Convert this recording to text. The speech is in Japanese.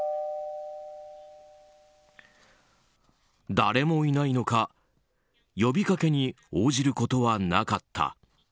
誰もいないのか呼びかけに応じることはなかった。